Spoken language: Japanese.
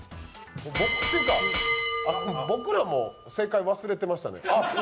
僕らも正解忘れてましたね。